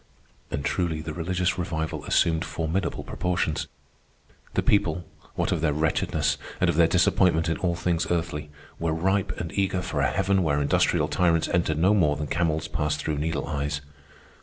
And truly the religious revival assumed formidable proportions. The people, what of their wretchedness, and of their disappointment in all things earthly, were ripe and eager for a heaven where industrial tyrants entered no more than camels passed through needle eyes.